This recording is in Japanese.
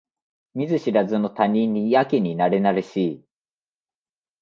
見ず知らずの他人にやけになれなれしい